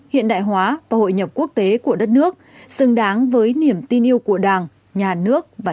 hiện đại hóa và hội nhập quốc tế của đất nước xứng đáng với niềm tin yêu của đảng nhà nước và